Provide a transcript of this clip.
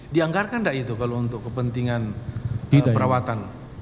dianggarkan tidak itu kalau untuk kepentingan perawatan